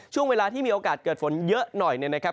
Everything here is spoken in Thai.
ช่วงเวลาที่มีโอกาสเกิดฝนเยอะหน่อยเนี่ยนะครับ